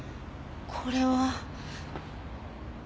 これは。